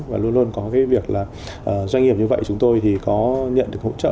và luôn luôn có cái việc là doanh nghiệp như vậy chúng tôi thì có nhận được hỗ trợ